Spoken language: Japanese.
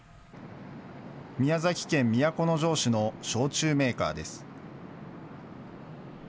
宮崎県都城市の焼酎メーカーです。